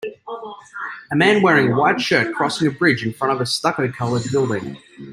A man wearing a white shirt crossing a bridge in front of a stucco colored building.